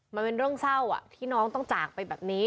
มันเป็นเรื่องเศร้าที่น้องต้องจากไปแบบนี้